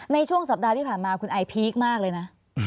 ในช่วงสัปดาห์ที่ผ่านมาคุณไอพีคมากเลยนะ